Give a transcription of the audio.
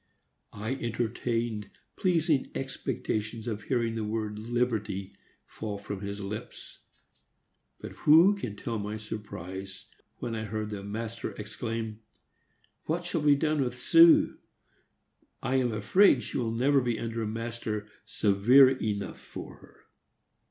I entertained pleasing expectations of hearing the word "liberty" fall from his lips; but who can tell my surprise when I heard the master exclaim, "What shall be done with Su? I am afraid she will never be under a master severe enough for her."